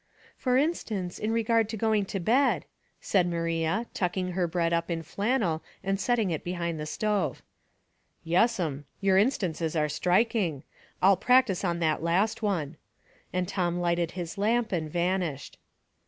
" For instance, in regard to going to bed," said Maria, tucking her bread up in flannel and setting it behind the stove. " Yes'm ; your instances are striking. I'll 4 60 Household Puzzles. practice on that last one." And Tom lighted his lamp and vanished.